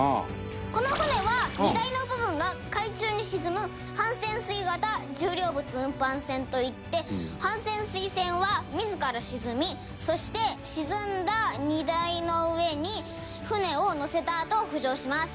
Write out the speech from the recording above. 「この船は荷台の部分が海中に沈む半潜水型重量物運搬船といって半潜水船は自ら沈みそして沈んだ荷台の上に船を載せたあと浮上します」